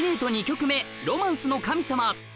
２曲目『ロマンスの神様』